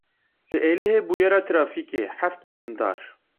Li Êlihê bûyera trafîkê heft birîndar.